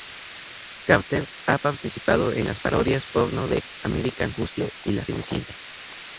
Carter ha participado en las parodias porno de "American Hustle" y la "Cenicienta".